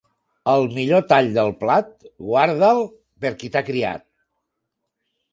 El millor tall del plat, guarda'l per qui t'ha criat.